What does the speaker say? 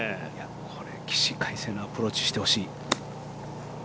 これ起死回生のアプローチしてほしい。